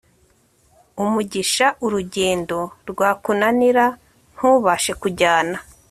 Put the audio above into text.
umugisha urugendo rwakunanira ntubashe kujyana